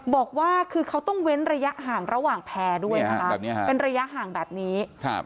บอกว่าคือเขาต้องเว้นระยะห่างระหว่างแพร่ด้วยนะคะเป็นระยะห่างแบบนี้ครับ